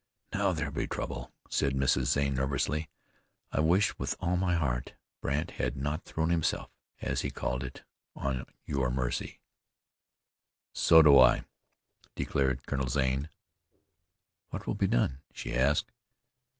"Now there'll be trouble," said Mrs. Zane nervously. "I wish with all my heart Brandt had not thrown himself, as he called it, on your mercy." "So do I," declared Colonel Zane. "What will be done?" she asked.